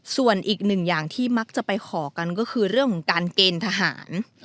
ส่วนอีกหนึ่งอย่างที่มักจะไปขอกันก็คือเรื่องของการเกณฑ์ทหาร